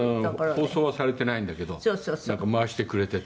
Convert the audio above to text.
「放送はされてないんだけどなんか回してくれてて」